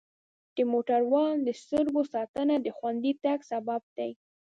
د موټروان د سترګو ساتنه د خوندي تګ سبب دی.